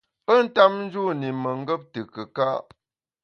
Pe ntap njûn i mengap te kùka’.